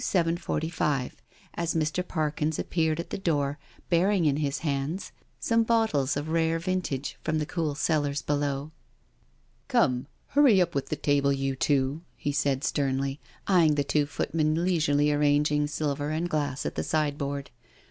45 as Mr. Parkins appeared at the door, bearing in his hands some bottles of rare vintage from the cool cellars below. " Come, hurry up with that table, you two," he said, sternly eyeing the two footmen leisurely arranging silver and glass at the sideboard.